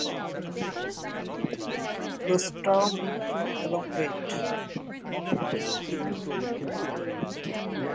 Rostrum elongate.